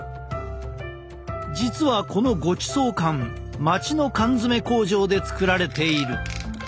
実はこのごちそう缶町の缶詰工場で作られている。